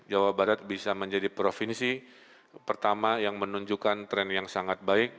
jawa barat bisa menjadi provinsi pertama yang menunjukkan tren yang sangat baik